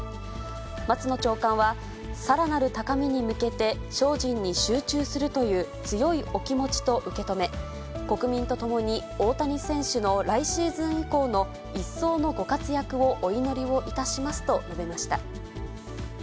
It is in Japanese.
松野長官は、さらなる高みに向けて精進に集中するという強いお気持ちと受け止め、国民と共に大谷選手の来シーズン以降の一層のご活躍をお祈りをいたしますと述べました。